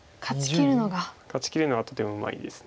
勝ちきるのがとてもうまいです。